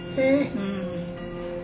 うん。